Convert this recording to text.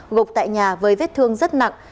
ngục tại nhà với vết thương rất nặng